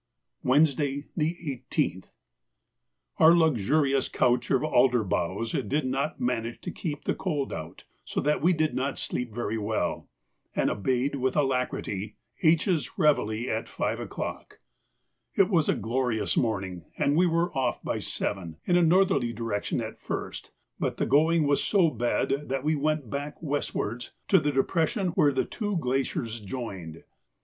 Wednesday, the 18th.—Our luxurious couch of alder boughs did not manage to keep the cold out, so that we did not sleep very well, and obeyed with alacrity H.'s réveille at five o'clock. It was a glorious morning and we were off by seven, in a northerly direction at first, but the going was so bad that we went back westwards to the depression where the two glaciers joined.